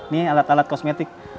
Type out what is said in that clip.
nih alat alat kosmetik